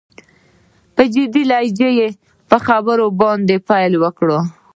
په جدي لهجه يې په خبرو باندې پيل وکړ.